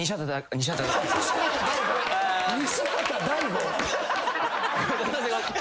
西畑大吾？